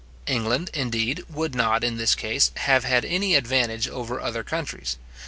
England, indeed, would not, in this case, have had any advantage over other countries.